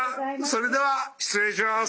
それでは失礼します」。